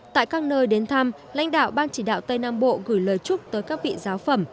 tại các nơi đến thăm lãnh đạo ban chỉ đạo tây nam bộ gửi lời chúc tới các vị giáo phẩm